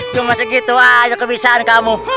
cuma segitu aja kebisaan kamu